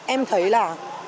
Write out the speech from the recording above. em thấy là